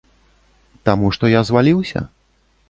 Таму, што я зваліўся?